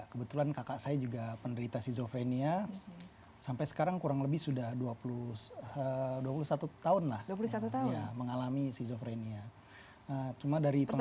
kebetulan kakak saya juga penderita skizofrenia sampai sekarang kurang lebih sudah dua puluh satu tahun mengalami skizofrenia